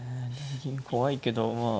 銀怖いけどまあ。